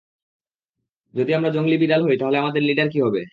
যদি আমরা জংগলি বিড়াল হই তাহলে আমাদের লিডার কি হবে?